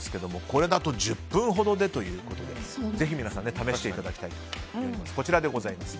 これだと、１０分ほどでということでぜひ皆さん試していただきたいと思います。